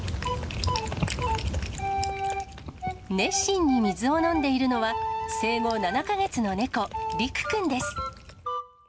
熱心に水を飲んでいるのは、生後７か月の猫、睦くんです。